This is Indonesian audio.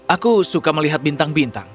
aku akan mengecewakanmu